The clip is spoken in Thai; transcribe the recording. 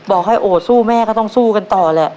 บอกให้โอดสู้แม่ก็ต้องสู้กันต่อแหละ